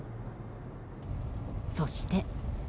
そして。